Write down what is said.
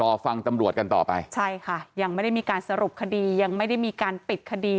รอฟังตำรวจกันต่อไปใช่ค่ะยังไม่ได้มีการสรุปคดียังไม่ได้มีการปิดคดี